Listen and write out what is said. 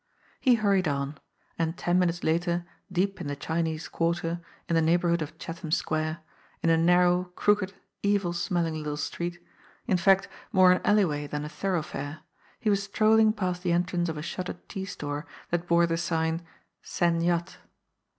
He hurried on and ten minutes later, deep in the Chinese quarter, in the neighbourhood of Chatham Square, in a nar row, crooked, evil smelling, little street, in fact more an alleyway than a thoroughfare, he was strolling past the en trance of a shuttered tea store that bore the sign : SEN YAT.